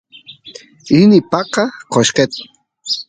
rini paqa qoshqet